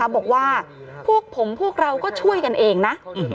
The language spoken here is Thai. บอกว่าพวกผมพวกเราก็ช่วยกันเองนะ